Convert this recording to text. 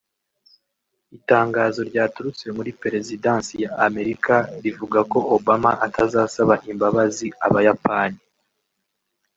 Itangazo ryaturutse muri Perezidansi ya Amerika rivuga ko Obama atazasaba imbabazi Abayapani